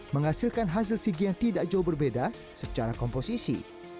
menghasilkan hasil sigi yang tidak jauh berbeda secara komposisi